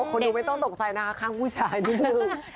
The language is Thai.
คนดูไม่ต้องตกใจนะคะข้างผู้ชายนิดนึง